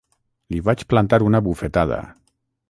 Li vaig plantar una bufetada.